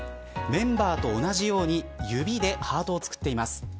メンバーと同じように指でハートを作っています。